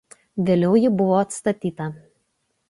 Vėliau ji buvo atstatyta.